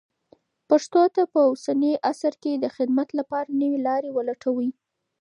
پښتو ته په اوسني عصر کې د خدمت لپاره نوې لارې ولټوئ.